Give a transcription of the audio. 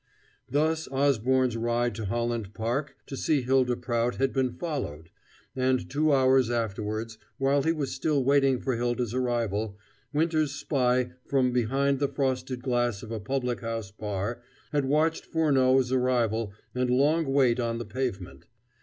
Thus Osborne's ride to Holland Park to see Hylda Prout had been followed; and, two hours afterwards, while he was still waiting for Hylda's arrival, Winter's spy from behind the frosted glass of a public house bar had watched Furneaux's arrival and long wait on the pavement.